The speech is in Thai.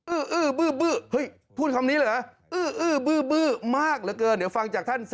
อื้ออื้อบื้อบื้อเฮ้ยพูดคำนี้เหรออื้ออื้อบื้อบื้อมากเหลือเกิน